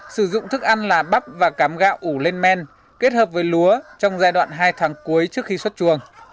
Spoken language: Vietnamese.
sử dụng thức ăn là bắp và cám gạo ủ lên men kết hợp với lúa trong giai đoạn hai tháng cuối trước khi xuất chuồng